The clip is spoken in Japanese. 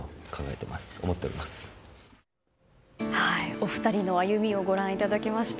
お二人の歩みをご覧いただきました。